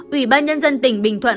ủy ban nhân dân tỉnh bình thuận